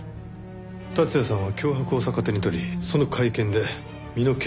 達也さんは脅迫を逆手に取りその会見で身の潔白を主張した。